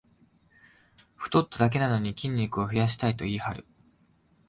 太っただけなのに筋肉を増やしたと言いはる